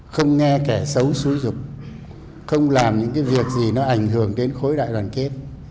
không nghe kẻ xấu xúi dục không làm những cái việc gì nó ảnh hưởng đến khối đại đoàn kết